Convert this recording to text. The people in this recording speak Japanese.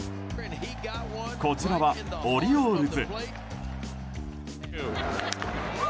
こちらはオリオールズ。